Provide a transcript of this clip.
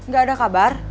gak ada kabar